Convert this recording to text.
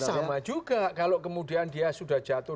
sama juga kalau kemudian dia sudah jatuh